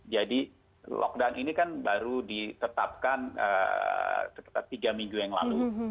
jadi lockdown ini kan baru ditetapkan tiga minggu yang lalu